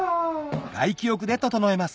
外気浴で整えます